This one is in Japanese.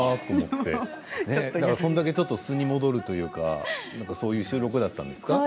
それだけ素に戻るというかそういう収録だったんですか。